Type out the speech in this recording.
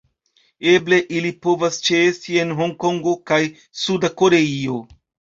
Eble ili povas ĉeesti en Hongkongo kaj Suda Koreio.